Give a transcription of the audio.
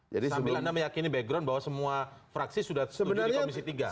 sambil anda meyakini background bahwa semua fraksi sudah setuju di komisi tiga